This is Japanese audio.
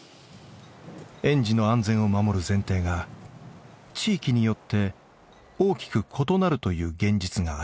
園児の安全を守る「前提」が地域によって大きく異なるという現実があります。